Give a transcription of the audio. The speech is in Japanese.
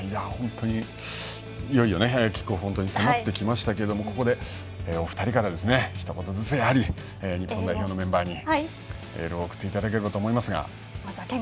いよいよキックオフが迫ってきましたけどここで、お二人からひと言ずつ日本代表のメンバーにエールを送っていただければ。